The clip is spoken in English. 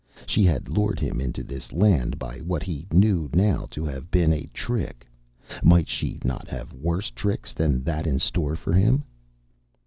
She had lured him into this land by what he knew now to have been a trick; might she not have worse tricks than that in store for him?